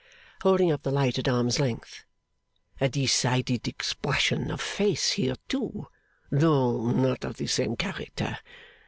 holding up the light at arm's length. 'A decided expression of face here too, though not of the same character.